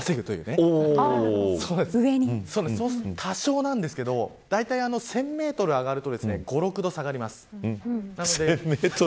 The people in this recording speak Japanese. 多少なんですけどだいたい１０００メートル上がると、５、６度下がります。